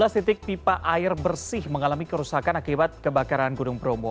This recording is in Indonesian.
dua belas titik pipa air bersih mengalami kerusakan akibat kebakaran gunung bromo